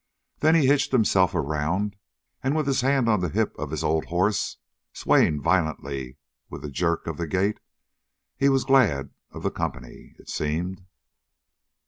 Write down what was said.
Then he hitched himself around, with his hand on the hip of his old horse, swaying violently with the jerk of the gait. He was glad of the company, it seemed.